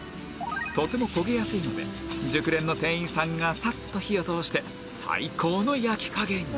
とても焦げやすいので熟練の店員さんがサッと火を通して最高の焼き加減に！